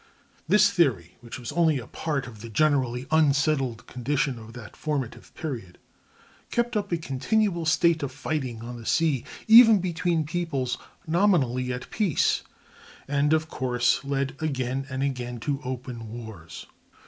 This theory, which was only a part of the generally unsettled condition of that formative period, kept up a continual state of fighting on the sea, even between peoples nominally at peace, and of course led again and again to open wars.